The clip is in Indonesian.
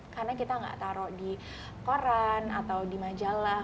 karena kita tidak taruh di koran atau di majalah